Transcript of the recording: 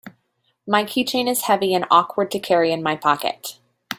My keychain is heavy and awkward to carry in my pocket.